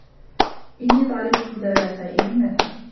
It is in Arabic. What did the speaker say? إنِّي طَالِبُ هُدًى لَا سَائِلُ نَدًى